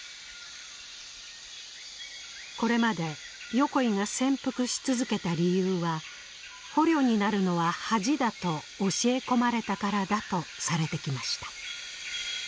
これまで横井が潜伏し続けた理由は「捕虜になるのは恥だ」と教え込まれたからだとされてきました。